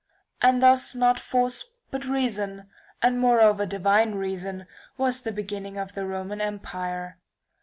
And thus not force but reason, and moreover divine reason, was the beginning of the Rome empire.